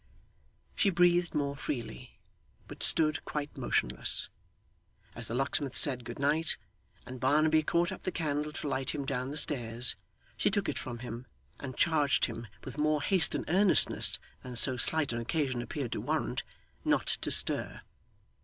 She breathed more freely, but stood quite motionless. As the locksmith said 'Good night,' and Barnaby caught up the candle to light him down the stairs, she took it from him, and charged him with more haste and earnestness than so slight an occasion appeared to warrant not to stir.